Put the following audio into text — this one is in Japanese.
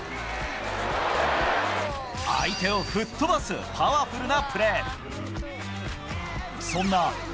相手を吹っ飛ばすパワフルなプレー。